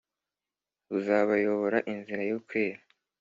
buzabayobora inzira yo kwera.